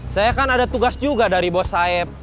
saya kan ada tugas juga dari bos saib